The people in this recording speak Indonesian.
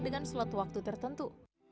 dengan slot waktu tertentu